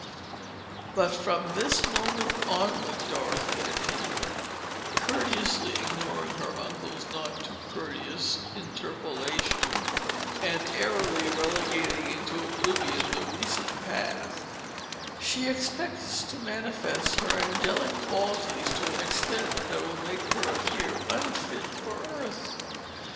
"But from this moment onward," Dorothy continued, courteously ignoring her uncle's not too courteous interpolation, and airily relegating into oblivion the recent past, "she expects to manifest her angelic qualities to an extent that will make her appear unfit for earth.